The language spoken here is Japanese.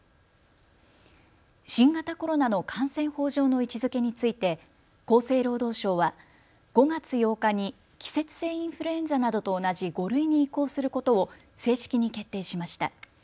新型コロナの感染法上の位置づけについて厚生労働省は５月８日に季節性インフルエンザなどと同じ５類に移行することを正式に決定しました。